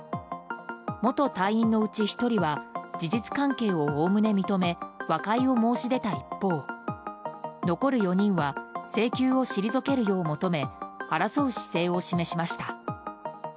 元隊員のうち１人は事実関係をおおむね認め和解を申し出た一方残る４人は請求を退けるよう求め争う姿勢を示しました。